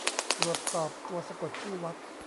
ตรวจสอบตัวสะกดชื่อวัด